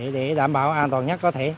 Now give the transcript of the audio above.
để đảm bảo an toàn nhất có thể